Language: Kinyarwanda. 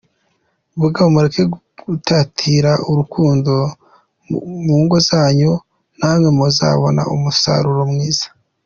Bagabo mureke gutatira urukundo mu ngo zanyu namwe muzabona umusaruro mwiza.